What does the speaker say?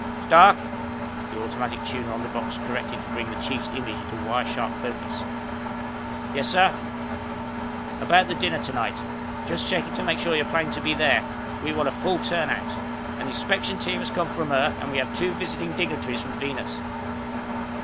"Stark!" The automatic tuner on the box corrected to bring the Chief's image in wire sharp focus. "Yes, sir?" "About the dinner tonight. Just checking to make sure you're planning to be there. We want a full turnout. An inspection team has come up from Earth and we have two visiting dignitaries from Venus."